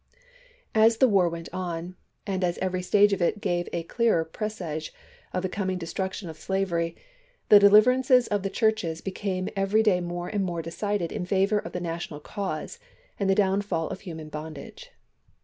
As the war went on, and as every stage of it gave a clearer presage of the coming destruction of slavery, the deliverances of the Churches became every day more and more decided in favor of the national cause and the downfall of human bondage.